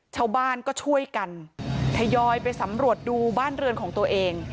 ชาวบ้านก็ช่วยกันทยอยไปสำรวจดูบ้านเรือนของตัวเอง